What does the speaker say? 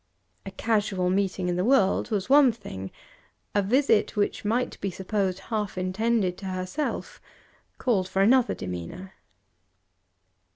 A casual meeting in the world was one thing; a visit which might be supposed half intended to herself called for another demeanour.